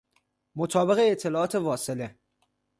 مطابق اطالاعات واصله